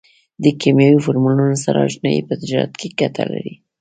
د کیمیاوي فورمولونو سره اشنایي په تجارت کې ګټه لري.